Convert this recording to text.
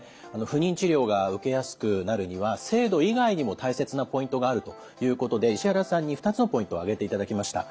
不妊治療が受けやすくなるには制度以外にも大切なポイントがあるということで石原さんに２つのポイント挙げていただきました。